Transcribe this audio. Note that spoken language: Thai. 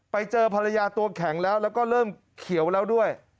ไปเจอภรรยาตัวแข็งแล้วแล้วก็เริ่มเขียวแล้วด้วย